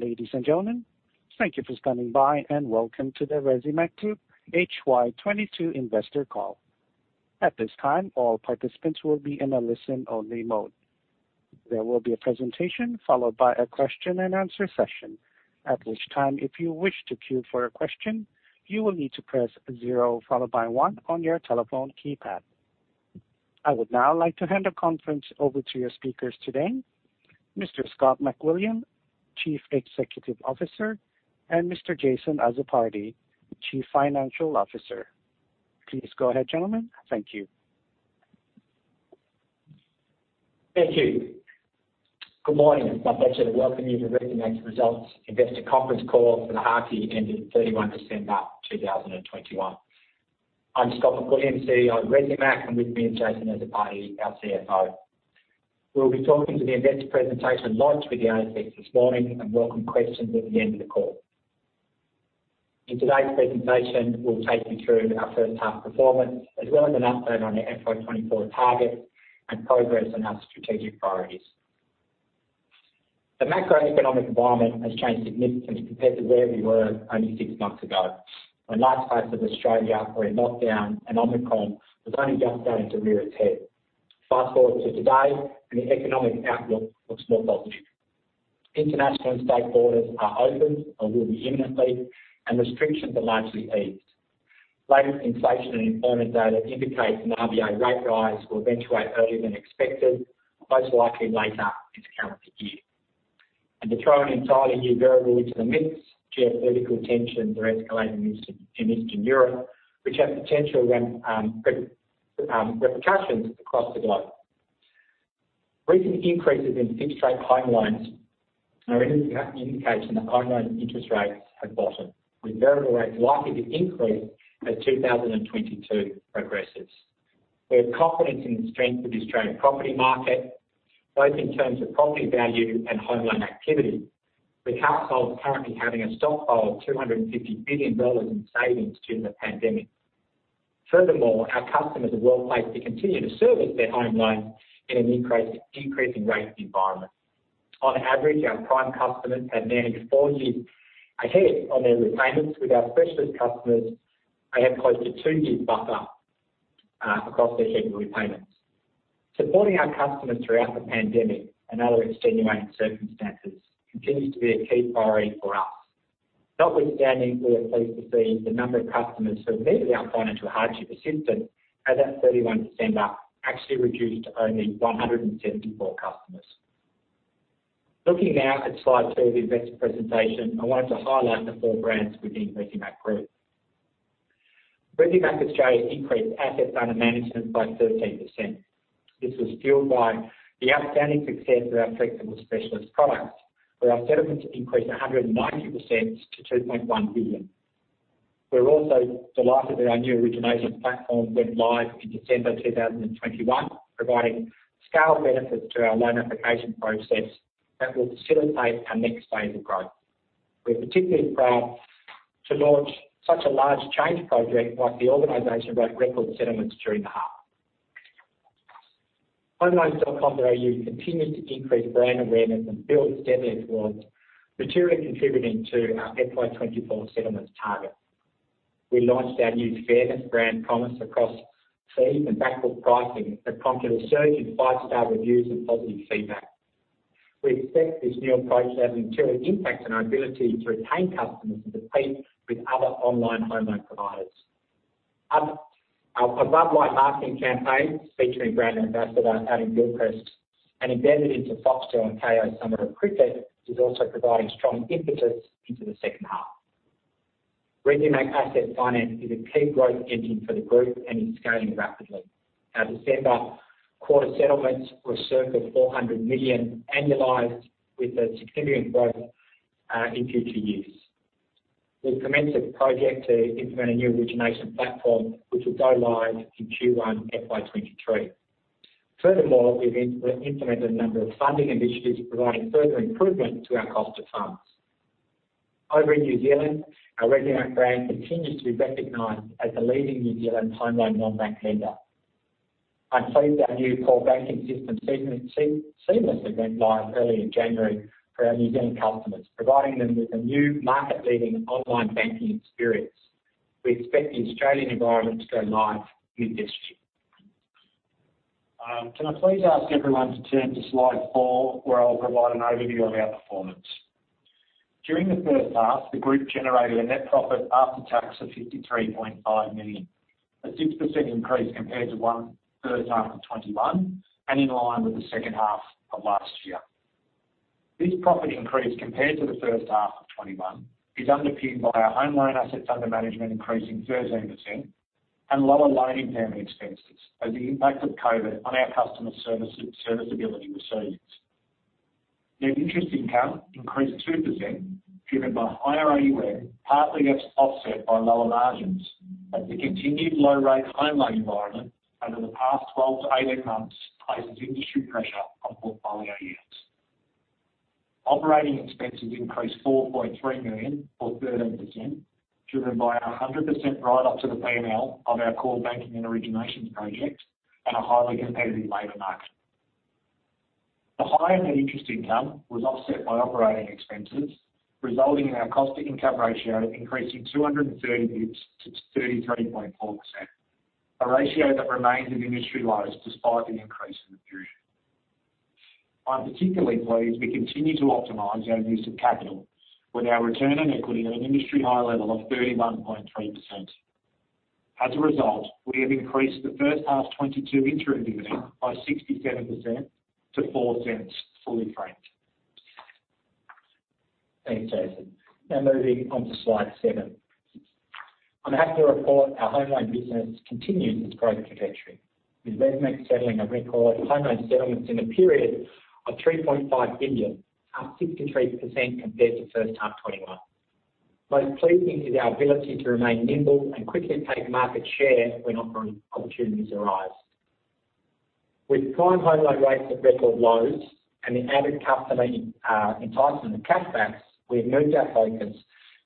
Ladies and gentlemen, thank you for standing by and welcome to the Resimac Group HY 2022 investor call. At this time, all participants will be in a listen-only mode. There will be a presentation followed by a question and answer session. At which time, if you wish to queue for a question, you will need to press zero followed by one on your telephone keypad. I would now like to hand the conference over to your speakers today. Mr. Scott McWilliam, Chief Executive Officer, and Mr. Jason Azzopardi, Chief Financial Officer. Please go ahead, gentlemen. Thank you. Thank you. Good morning. It's my pleasure to welcome you to Resimac's results investor conference call for the half year ended 31 December 2021. I'm Scott McWilliam, CEO of Resimac, and with me is Jason Azzopardi, our CFO. We'll be talking through the investor presentation launched with the ASX this morning and will welcome questions at the end of the call. In today's presentation, we'll take you through our first half performance, as well as an update on the FY 2024 targets and progress on our strategic priorities. The macroeconomic environment has changed significantly compared to where we were only six months ago, when large parts of Australia were in lockdown and Omicron was only just starting to rear its head. Fast-forward to today, and the economic outlook looks more positive. International and state borders are open or will be imminently, and restrictions are largely eased. Latest inflation and employment data indicates an RBA rate rise will eventuate earlier than expected, most likely later this calendar year. To throw an entirely new variable into the mix, geopolitical tensions are escalating in Eastern Europe, which has potential repercussions across the globe. Recent increases in fixed rate home loans are an indication that home loan interest rates have bottomed, with variable rates likely to increase as 2022 progresses. We have confidence in the strength of the Australian property market, both in terms of property value and home loan activity, with households currently having a stockpile of 250 billion dollars in savings due to the pandemic. Furthermore, our customers are well-placed to continue to service their home loans in an increasing rate environment. On average, our prime customers have nearly four years ahead on their repayments, with our specialist customers, they have close to two years buffer across their weekly repayments. Supporting our customers throughout the pandemic and other extenuating circumstances continues to be a key priority for us. Notwithstanding, we are pleased to see the number of customers who have met our financial hardship assistance at that 31 December actually reduced to only 174 customers. Looking now at slide two of the investor presentation, I wanted to highlight the four brands within Resimac Group. Resimac Australia increased assets under management by 13%. This was fueled by the outstanding success of our flexible specialist products, where our settlements increased 190% to 2.1 billion. We're also delighted that our new origination platform went live in December 2021, providing scale benefits to our loan application process that will facilitate our next phase of growth. We're particularly proud to launch such a large change project while the organization wrote record settlements during the half. homeloans.com.au continued to increase brand awareness and build steadily towards materially contributing to our FY 2024 settlements target. We launched our new fairness brand promise across fees and backfill pricing that prompted a surge in five-star reviews and positive feedback. We expect this new approach to have a material impact on our ability to retain customers and compete with other online home loan providers. Our above-line marketing campaign, featuring brand ambassador Adam Gilchrist, and embedded into Foxtel and Kayo's Summer of Cricket, is also providing strong impetus into the second half. Resimac Asset Finance is a key growth engine for the group and is scaling rapidly. Our December quarter settlements were circa 400 million annualized with a significant growth in future years. We've commenced a project to implement a new origination platform, which will go live in Q1 FY 2023. Furthermore, we've implemented a number of funding initiatives providing further improvement to our cost of funds. Over in New Zealand, our Resimac brand continues to be recognized as a leading New Zealand home loan non-bank lender. I'm pleased our new core banking system seamlessly went live early in January for our New Zealand customers, providing them with a new market-leading online banking experience. We expect the Australian environment to go live mid this year. Can I please ask everyone to turn to slide four, where I'll provide an overview of our performance. During the first half, the group generated a net profit after tax of 53.5 million, a 6% increase compared to first half of 2021 and in line with the second half of last year. This profit increase compared to the first half of 2021 is underpinned by our home loan assets under management increasing 13% and lower loan impairment expenses as the impact of COVID on our customer service, serviceability recedes. Net interest income increased 2%, driven by higher AUM, partly offset by lower margins as the continued low-rate home loan environment over the past 12-18 months places industry pressure on portfolio AUMs. Operating expenses increased 4.3 million or 13%, driven by a 100% write up to the P&L of our core banking and origination project. A highly competitive labor market. The higher net interest income was offset by operating expenses, resulting in our cost to income ratio increasing 230 basis points to 33.4%, a ratio that remains at industry lows despite the increase in the period. I'm particularly pleased we continue to optimize our use of capital with our return on equity at an industry high level of 31.3%. As a result, we have increased the first half 2022 interim dividend by 67% to 0.04, fully franked. Thanks, Jason. Now moving on to slide seven. I'm happy to report our home loan business continues its growth trajectory, with Resimac settling a record home loan settlements in the period of 3.5 billion, up 63% compared to first half 2021. Most pleasing is our ability to remain nimble and quickly take market share when opportunities arise. With prime home loan rates at record lows and the added customer entitlement of cashbacks, we have moved our focus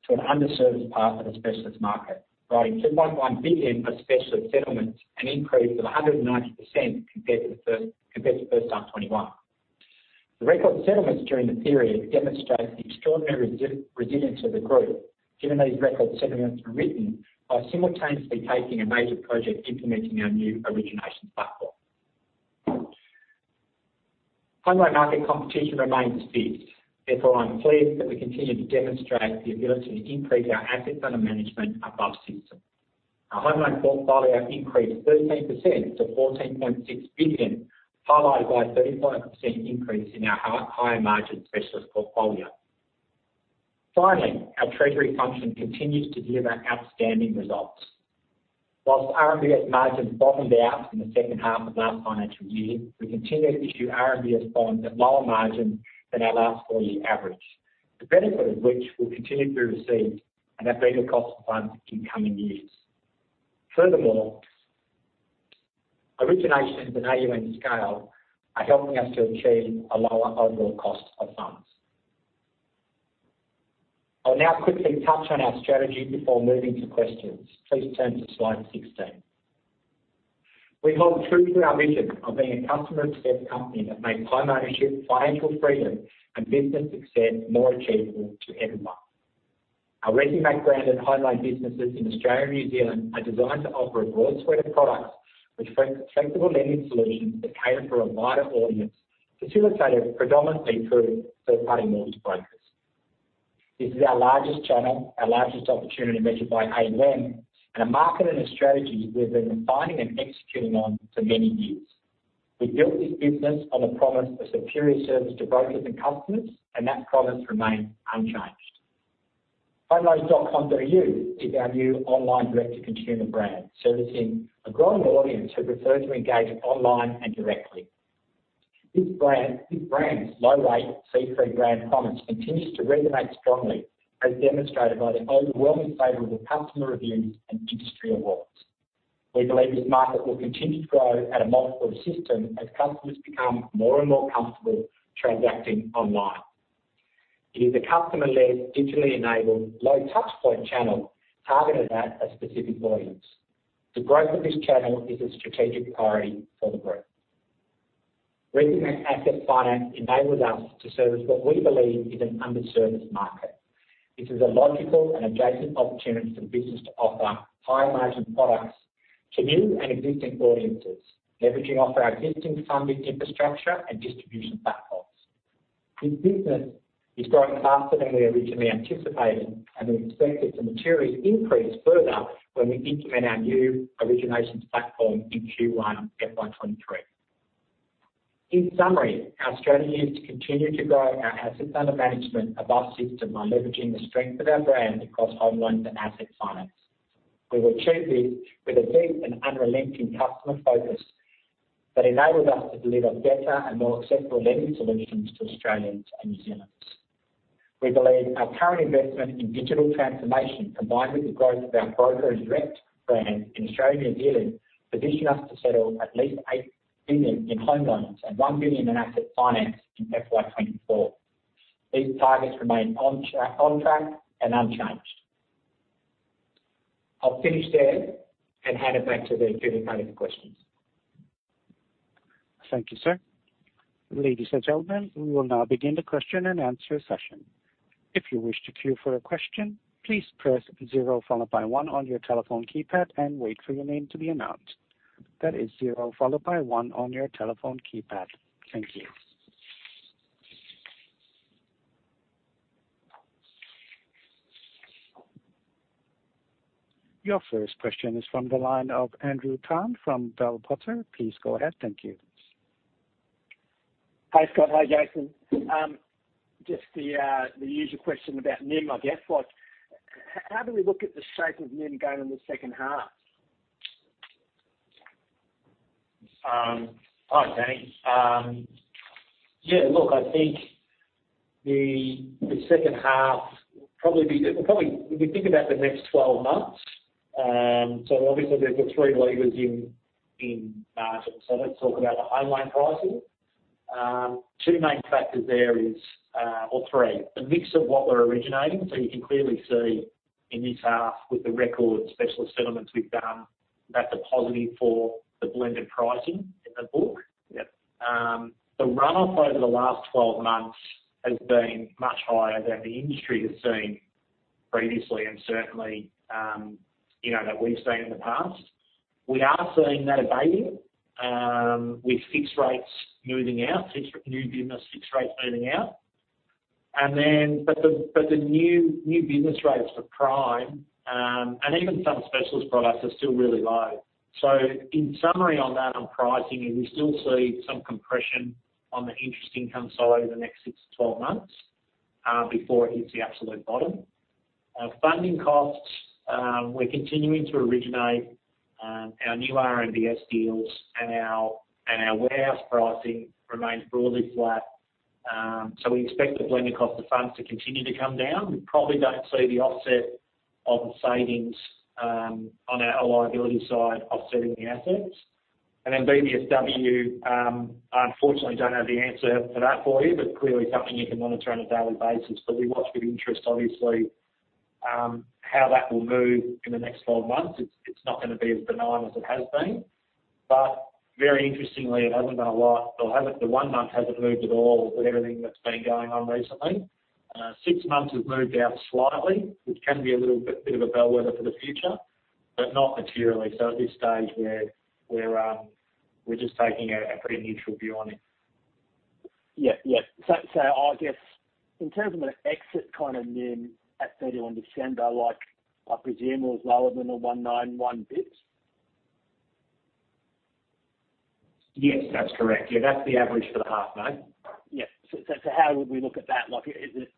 to an underserved part of the specialist market, growing 2.1 billion of specialist settlements, an increase of 190% compared to first half 2021. The record settlements during the period demonstrates the extraordinary resilience of the group, given these record settlements were written by simultaneously taking a major project implementing our new origination platform. Home loan market competition remains fierce. Therefore, I'm pleased that we continue to demonstrate the ability to increase our assets under management above system. Our home loan portfolio increased 13% to 14.6 billion, followed by a 35% increase in our higher margin specialist portfolio. Finally, our treasury function continues to deliver outstanding results. While RMBS margins bottomed out in the second half of last financial year, we continue to issue RMBS bonds at lower margins than our last four-year average, the benefit of which we'll continue to receive and have been a cost of funds in coming years. Furthermore, origination at an AUM scale are helping us to achieve a lower overall cost of funds. I'll now quickly touch on our strategy before moving to questions. Please turn to slide 16. We hold true to our mission of being a customer-obsessed company that makes home ownership, financial freedom, and business success more achievable to everyone. Our Resimac brand and home loan businesses in Australia and New Zealand are designed to offer a broad suite of products with flexible lending solutions that cater for a wider audience, facilitated predominantly through third-party mortgage brokers. This is our largest channel, our largest opportunity measured by AUM, and a market and a strategy we have been refining and executing on for many years. We built this business on a promise of superior service to brokers and customers, and that promise remains unchanged. homeloans.com.au is our new online direct-to-consumer brand, servicing a growing audience who prefer to engage online and directly. This brand's low rate fee-free brand promise continues to resonate strongly, as demonstrated by the overwhelmingly favorable customer reviews and industry awards. We believe this market will continue to grow at a multiple of system as customers become more and more comfortable transacting online. It is a customer-led, digitally enabled, low touchpoint channel targeted at a specific audience. The growth of this channel is a strategic priority for the group. Resimac Asset Finance enables us to service what we believe is an underserviced market. This is a logical and adjacent opportunity for the business to offer high-margin products to new and existing audiences, leveraging off our existing funding infrastructure and distribution platforms. This business is growing faster than we originally anticipated, and we expect it to materially increase further when we implement our new originations platform in Q1 FY 2023. In summary, our strategy is to continue to grow our assets under management above system by leveraging the strength of our brand across home loans and asset finance. We will achieve this with a deep and unrelenting customer focus that enables us to deliver better and more acceptable lending solutions to Australians and New Zealanders. We believe our current investment in digital transformation, combined with the growth of our broker and direct brands in Australia and New Zealand, position us to settle at least 8 billion in home loans and 1 billion in asset finance in FY 2024. These targets remain on track and unchanged. I'll finish there and hand it back to the operator for questions. Thank you, sir. Ladies and gentlemen, we will now begin the question-and-answer session. If you wish to queue for a question, please press zero followed by one on your telephone keypad and wait for your name to be announced. That is zero followed by one on your telephone keypad. Thank you. Your first question is from the line of Andrew Tan from Bell Potter. Please go ahead. Thank you. Hi, Scott. Hi, Jason. Just the usual question about NIM, I guess. How do we look at the shape of NIM going in the second half? Hi, Andy. Yeah, look, I think the second half will probably be, if you think about the next 12 months, obviously there's the three levers in margins. Let's talk about the home loan pricing. Two main factors there is, or three, the mix of what we're originating. You can clearly see in this half with the record specialist settlements we've done, that's a positive for the blended pricing in the book. Yep. The runoff over the last 12 months has been much higher than the industry has seen previously, and certainly, you know, that we've seen in the past. We are seeing that abating with fixed rates moving out. The new business rates for prime and even some specialist products are still really low. In summary on that, on pricing, we still see some compression on the interest income side over the next six to 12 months before it hits the absolute bottom. Funding costs, we're continuing to originate our new RMBS deals and our warehouse pricing remains broadly flat. We expect the blended cost of funds to continue to come down. We probably don't see the offset of the savings on our liability side offsetting the assets. Then BBSW, I unfortunately don't have the answer for that for you, but clearly something you can monitor on a daily basis. We watch with interest, obviously, how that will move in the next 12 months. It's not gonna be as benign as it has been. Very interestingly, it hasn't gone a lot. The one month hasn't moved at all with everything that's been going on recently. Six months has moved out slightly, which can be a little bit of a bellwether for the future, but not materially. At this stage we're just taking a pretty neutral view on it. I guess in terms of an exit kind of NIM at 30 on December, like, I presume it was lower than the 191 basis points? Yes, that's correct. Yeah, that's the average for the half, mate. Yeah. How would we look at that? Like, is it,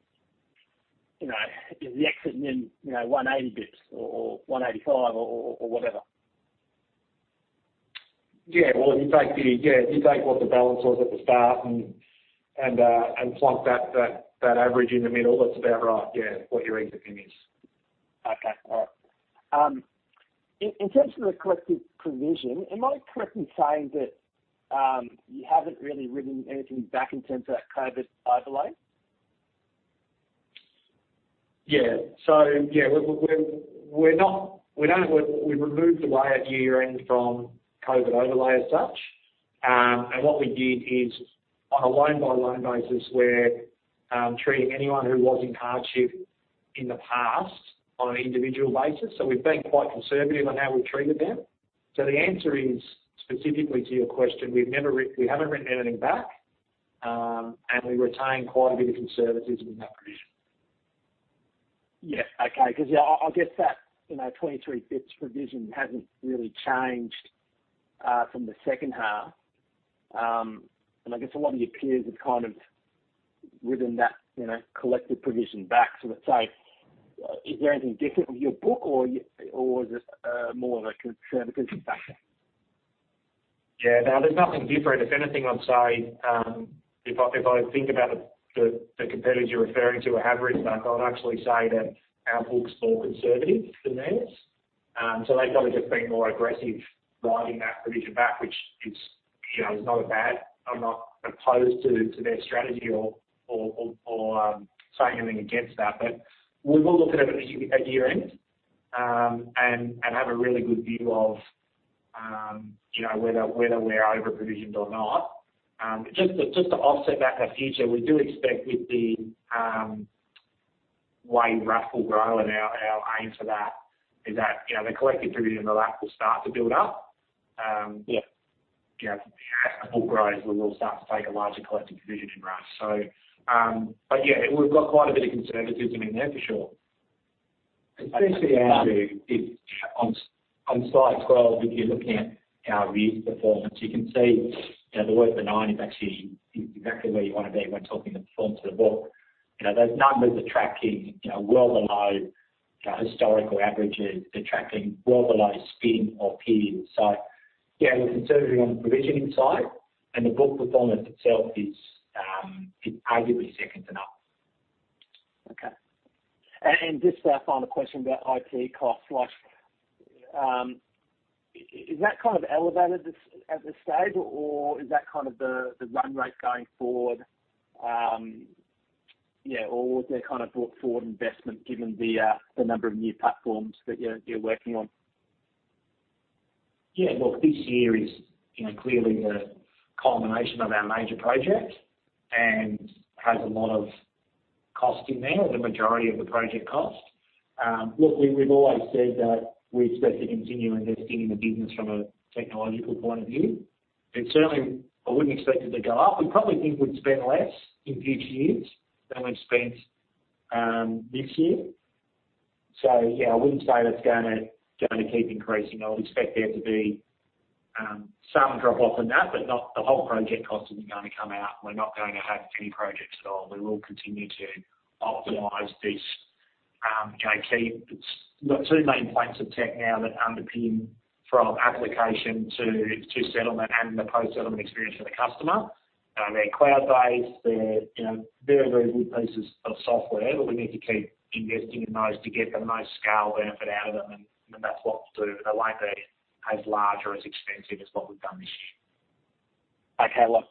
you know, is the exit NIM, you know, 180 bits or 185 or whatever? Yeah. Well, if you take what the balance was at the start and plonk that average in the middle, that's about right, yeah, what your exit NIM is. Okay. All right. In terms of the collective provision, am I correct in saying that you haven't really written anything back in terms of that COVID overlay? We removed the layer at year-end from COVID overlay as such. What we did is on a loan-by-loan basis, we're treating anyone who was in hardship in the past on an individual basis, so we've been quite conservative on how we treated them. The answer is specifically to your question, we haven't written anything back, and we retain quite a bit of conservatism in that provision. Yeah. Okay. 'Cause yeah, I guess that, you know, 2023 ECL provision hasn't really changed from the second half. I guess a lot of your peers have kind of written that, you know, collective provision back. Let's say, is there anything different with your book or is this more of a conservative factor? Yeah. No, there's nothing different. If anything, I'd say, if I think about the competitors you're referring to or have written back, I'd actually say that our book's more conservative than theirs. So they've probably just been more aggressive writing that provision back, which, you know, is not a bad. I'm not opposed to their strategy or saying anything against that. We will look at it at year-end and have a really good view of, you know, whether we're over-provisioned or not. Just to offset that for future, we do expect with the way RAF will grow and our aim for that is that, you know, the collective provision in the RAF will start to build up. Yeah. You know, as the book grows, we will start to take a larger collective provision in RAF. Yeah, we've got quite a bit of conservatism in there for sure. Especially Andrew, if on slide 12, if you're looking at our risk performance, you can see, you know, the word benign is actually exactly where you wanna be when talking the performance of the book. You know, those numbers are tracking, you know, well below, you know, historical averages. They're tracking well below 2H prior period. Yeah, we're conservative on the provisioning side and the book performance itself is arguably second to none. Okay. Just a final question about IT costs. Like, is that kind of elevated at this stage or is that kind of the run rate going forward? Yeah, or they kind of brought forward investment given the number of new platforms that you're working on? Yeah. Look, this year is, you know, clearly the culmination of our major project and has a lot of cost in there, the majority of the project cost. Look, we've always said that we expect to continue investing in the business from a technological point of view. It certainly. I wouldn't expect it to go up. We probably think we'd spend less in future years than we've spent this year. Yeah, I wouldn't say that's gonna keep increasing. I would expect there to be some drop off in that, but not the whole project cost isn't gonna come out and we're not going to have any projects at all. We will continue to optimize this, you know, key. We've got two main points of tech now that underpin from application to settlement and the post-settlement experience for the customer. They're cloud-based. They're, you know, very, very good pieces of software, but we need to keep investing in those to get the most scale benefit out of them, and that's what we'll do. They won't be as large or as expensive as what we've done this year. Okay, look,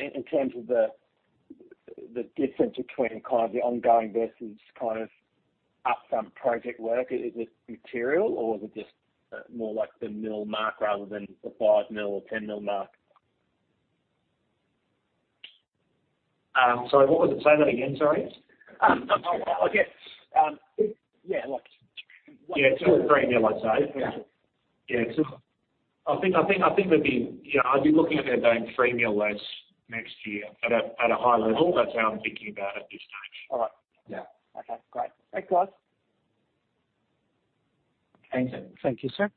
in terms of the difference between kind of the ongoing versus kind of one-off project work, is it material or is it just more like the 1 million mark rather than the 5 million or 10 million mark? Sorry, what was it? Say that again, sorry. I guess, yeah, like Yeah, it's 3 million, I'd say. Yeah. I think we'd be looking at it going 3 million less next year at a high level. That's how I'm thinking about it at this stage. All right. Yeah. Okay, great. Thanks, guys. Thank you, sir.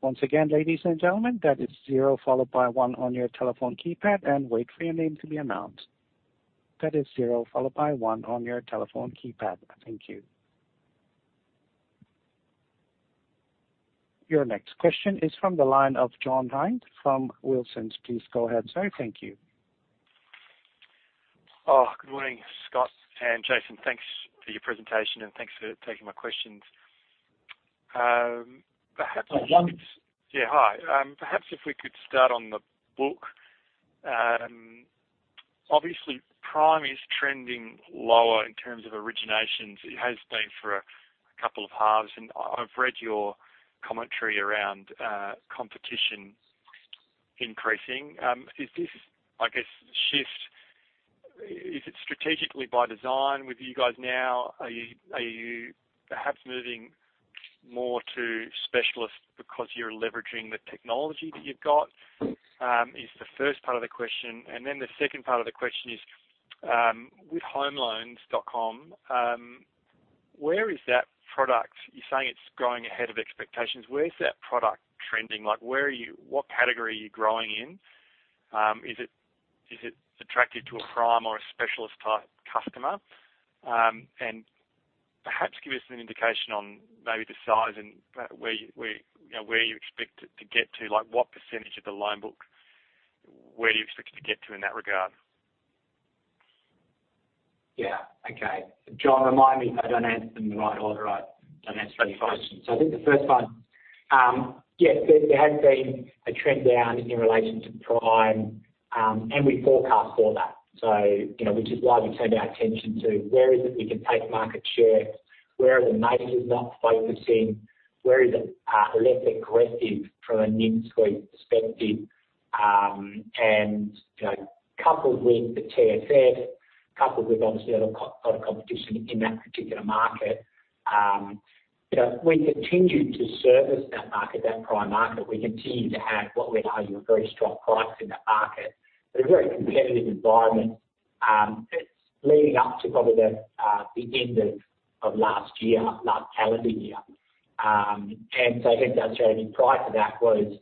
Once again, ladies and gentlemen that is zero followed by one on your telephone keypad, and wait for your name to be announced. That is zero followed by one on your telephone keypad. Thank you. Your next question is from the line of John Hynd from Wilsons. Please go ahead, sir. Thank you. Oh, good morning, Scott and Jason. Thanks for your presentation and thanks for taking my questions. Perhaps. Yeah, hi. Perhaps if we could start on the book. Obviously, prime is trending lower in terms of originations. It has been for a couple of halves, and I've read your commentary around competition increasing. Is this, I guess, shift, is it strategically by design with you guys now? Are you perhaps moving more to specialists because you're leveraging the technology that you've got? Is the first part of the question. Then the second part of the question is, with homeloans.com.au, where is that product? You're saying it's growing ahead of expectations. Where is that product trending? Like, where are you, what category are you growing in? Is it attractive to a prime or a specialist type customer? Perhaps give us an indication on maybe the size and where you know, where you expect it to get to, like what percentage of the loan book, where are you expecting to get to in that regard? Yeah. Okay. John, remind me if I don't answer them in the right order. I don't answer any questions. I think the first one, yes, there has been a trend down in relation to prime, and we forecast for that. You know, which is why we turned our attention to where is it we can take market share, where are the majors not focusing, where it is less aggressive from a NIM sweep perspective, and, you know, coupled with the TFF, coupled with obviously a lot of competition in that particular market, you know, we continue to service that market, that prime market. We continue to have what we're telling you, a very strong price in that market. A very competitive environment, it's leading up to probably the end of last year, last calendar year. I think that's showing, I mean, prior to that was,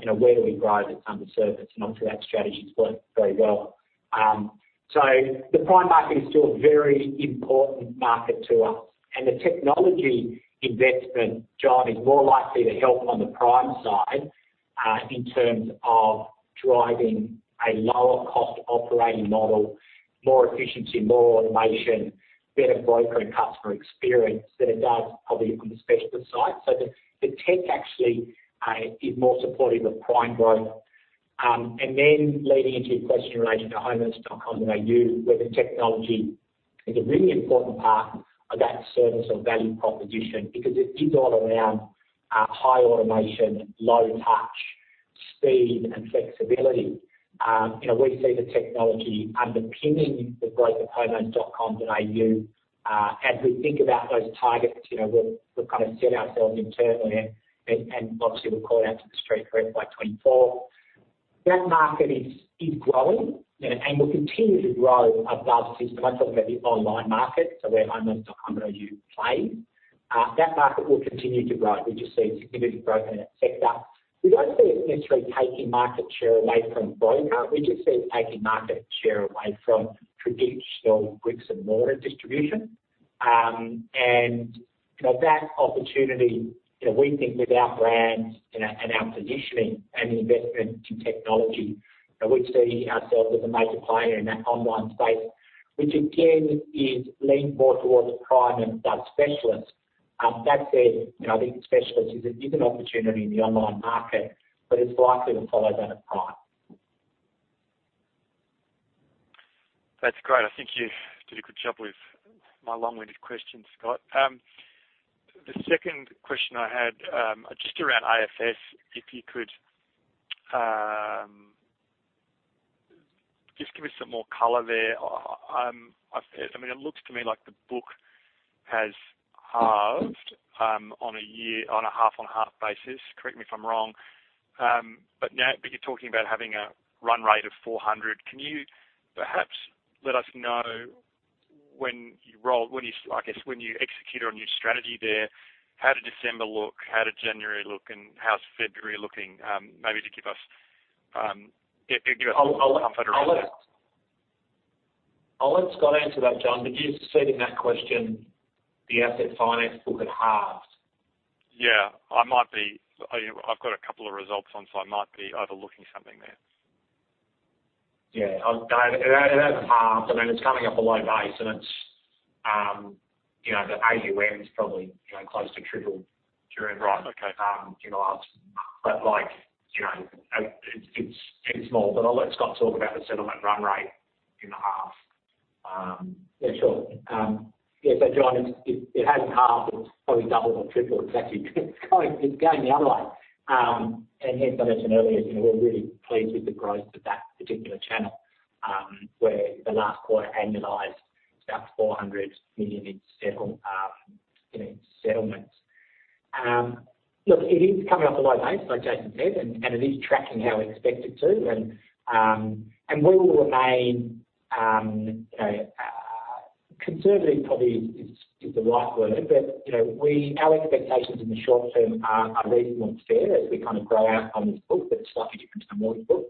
you know, where do we grow that's underserved? Obviously, that strategy's worked very well. The prime market is still a very important market to us. The technology investment, John, is more likely to help on the prime side, in terms of driving a lower cost operating model, more efficiency, more automation, better broker and customer experience than it does probably on the specialist side. The tech actually is more supportive of prime growth. Leading into your question relating to homeloans.com.au, where the technology is a really important part of that service or value proposition because it is all around high automation, low touch, speed and flexibility. You know, we see the technology underpinning the growth of homeloans.com.au. As we think about those targets, you know, we've kind of set ourselves internally and obviously we'll call out to the street for FY 2024. That market is growing, you know, and will continue to grow above system. I'm talking about the online market, so where homeloans.com.au play. That market will continue to grow. We just see significant growth in that sector. We don't see it necessarily taking market share away from broker. We just see it taking market share away from traditional bricks and mortar distribution. And, you know, that opportunity, you know, we think with our brand and our positioning and investment in technology, we see ourselves as a major player in that online space, which again, is leaned more towards prime than specialist. That said, you know, I think specialist is an opportunity in the online market, but it's likely to follow that of prime. That's great. I think you did a good job with my long-winded question, Scott. The second question I had, just around AFS, if you could, just give me some more color there. I've said, I mean, it looks to me like the book has halved, on a half-on-half basis. Correct me if I'm wrong. But you're talking about having a run rate of 400. Can you perhaps let us know when you roll, when you, I guess, when you execute on your strategy there, how did December look, how did January look, and how's February looking? Maybe to give us a little comfort around that. I'll let Scott answer that, John, but do you see in that question the asset finance book it halved? Yeah. I've got a couple of results on, so I might be overlooking something there. Yeah, it has halved. I mean, it's coming up from a low base, and the AUM is probably, you know, close to triple the prior. Okay. Like, you know, it's small, but I'll let Scott talk about the segment run rate in the half. Yeah, sure. Yeah. John, it hasn't halved. It's probably doubled or tripled. It's actually going the other way. Hence I mentioned earlier, you know, we're really pleased with the growth of that particular channel, where the last quarter annualized about 400 million in settlements. Look, it is coming off a low base like Jason said, and it is tracking how we expect it to. We will remain, you know, conservative probably is the right word. Our expectations in the short term are reasonable and fair as we kind of grow out on this book that's slightly different to the mortgage book.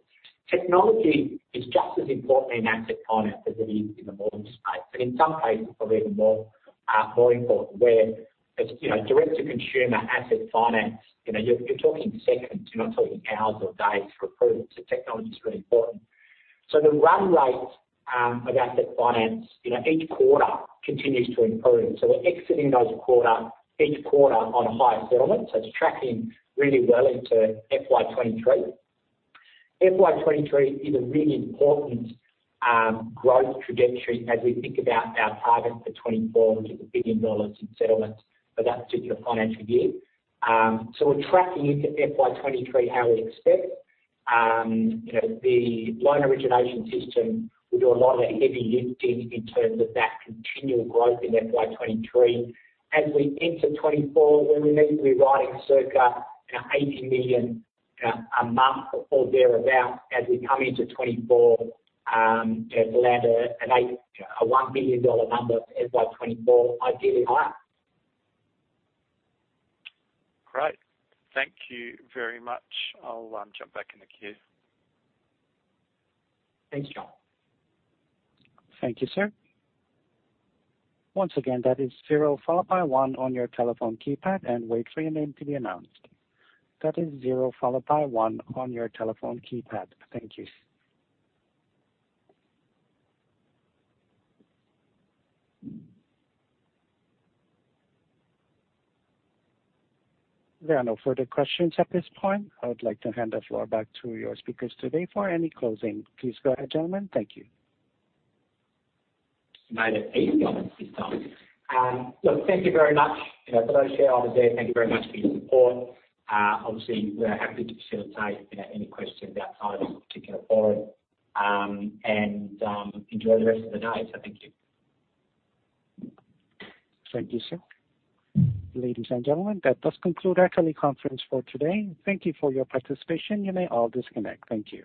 Technology is just as important in asset finance as it is in the mortgage space, and in some cases probably even more important where it's, you know, direct to consumer asset finance. You know, you're talking seconds, you're not talking hours or days for approval. Technology's really important. The run rate of asset finance, you know, each quarter continues to improve. We're exiting each quarter on a higher settlement. It's tracking really well into FY 2023. FY 2023 is a really important growth trajectory as we think about our target for 2024, which is 1 billion dollars in settlement for that particular financial year. We're tracking into FY 2023 how we expect. You know, the loan origination system will do a lot of the heavy lifting in terms of that continual growth in FY 2023. As we enter 2024, we're literally writing circa, you know, 80 million a month or thereabout as we come into 2024. To land an AUD 1 billion number FY 2024, ideally higher. Great. Thank you very much. I'll jump back in the queue. Thanks, John. Thank you, sir. Once again, that is zero followed by one on your telephone keypad, and wait for your name to be announced. That is zero followed by one on your telephone keypad. Thank you. There are no further questions at this point. I would like to hand the floor back to your speakers today for any closing. Please go ahead, gentlemen. Thank you. Made it easy on us this time. Look, thank you very much. You know, for those shareholders there, thank you very much for your support. Obviously we're happy to facilitate, you know, any questions outside of this particular forum, and enjoy the rest of the day. Thank you. Thank you, sir. Ladies and gentlemen, that does conclude our teleconference for today. Thank you for your participation. You may all disconnect. Thank you.